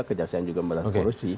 kejaksaan juga pemberantasan korupsi